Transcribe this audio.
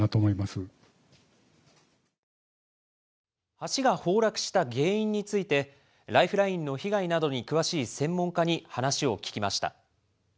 橋が崩落した原因について、ライフラインの被害などに詳しい専門家に話を聞きました。